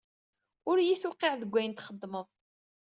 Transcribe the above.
Ur yi-tewqiɛ deg ayen txeddmeḍ.